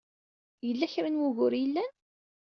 Yella kra n wugur ay yellan?